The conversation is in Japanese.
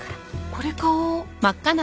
これ買おう。